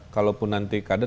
kalau pun nanti kader